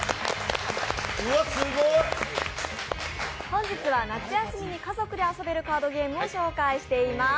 本日は夏休みに家族で遊べるカードゲームを紹介しています。